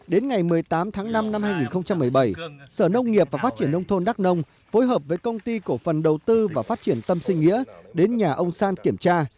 đến ngày một mươi tám tháng năm năm hai nghìn một mươi bảy sở nông nghiệp và phát triển nông thôn đắk nông phối hợp với công ty cổ phần đầu tư và phát triển tâm sinh nghĩa đến nhà ông san kiểm tra